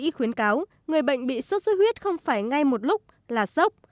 bác sĩ khuyến cáo người bệnh bị sốt xuất huyết không phải ngay một lúc là sốc